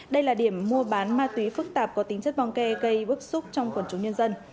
đây là điểm mua bán ma túy phức tạp có tính chất bong kê gây bức xúc trong quần chúng nhân dân